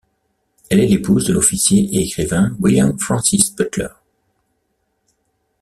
Elle est l'épouse de l'officier et écrivain William Francis Butler.